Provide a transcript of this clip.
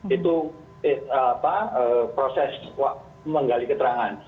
itu proses menggali keterangan